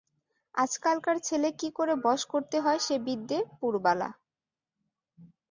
আজকালকার ছেলে কী করে বশ করতে হয় সে বিদ্যে– পুরবালা।